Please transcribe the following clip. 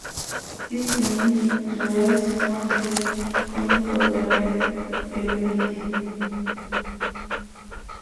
Its name derives from the comic opera "Erminie".